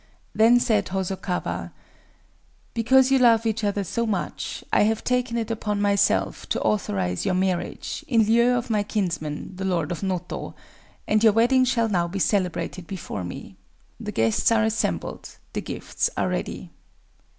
Then said Hosokawa:— "Because you love each other so much, I have taken it upon myself to authorize your marriage, in lieu of my kinsman, the Lord of Noto; and your wedding shall now be celebrated before me. The guests are assembled;—the gifts are ready."